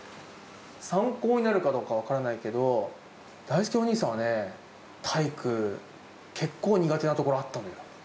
参考になるかどうか分からないけど、だいすけお兄さんはね、体育、結構苦手なところあったのよ。